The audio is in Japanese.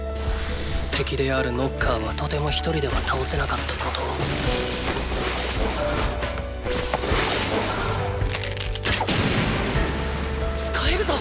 敵であるノッカーはとても一人では倒せなかったことをーー使えるぞ！